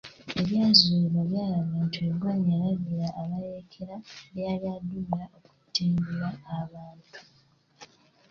Ebyazuulibwa byalaga nti Ongwen yalagira abayeekera b'eyali aduumira okutirimbula abantu .